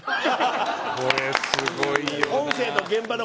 これすごいよな。